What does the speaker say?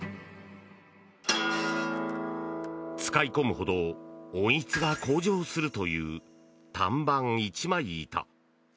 使い込むほど音質が向上するという単板一枚板。